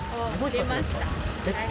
出ました。